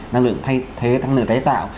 năng lượng thay thế năng lượng tái tạo